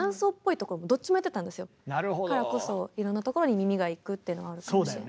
だからこそいろんなところに耳がいくっていうのはあるかもしれないです。